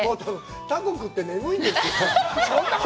タコ食って、眠いんですよ。